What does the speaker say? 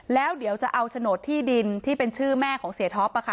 แล้วเดี๋ยวจะเอาโฉนดที่ดินที่เป็นชื่อแม่ของเสียท็อป